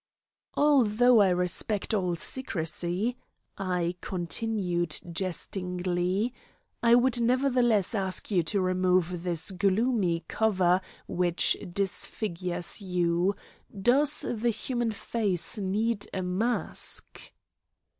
"Although I respect all secrecy," I continued jestingly, "I would nevertheless ask you to remove this gloomy cover which disfigures you. Does the human face need a mask?"